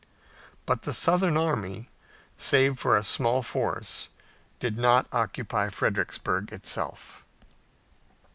But the Southern army, save for a small force, did not occupy Fredericksburg itself.